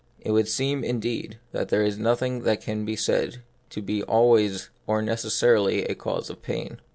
It would seem, indeed, that there is nothing that can be said to be always or necessarily a cause of pain.